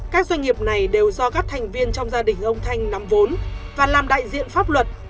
các doanh nghiệp này đều do các thành viên trong gia đình ông thanh nắm vốn và làm đại diện pháp luật